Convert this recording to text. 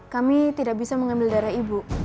kami tidak bisa mengambil darah ibu